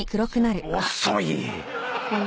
遅い！